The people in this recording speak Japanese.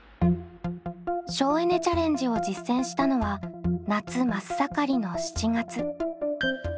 省エネ・チャレンジを実践したのは夏真っ盛りの７月。